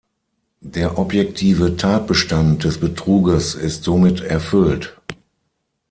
Der objektive Tatbestand des Betruges ist somit erfüllt.